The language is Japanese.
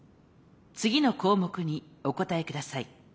次の項目にお答えください。